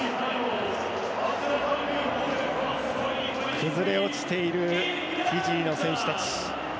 崩れ落ちているフィジーの選手たち。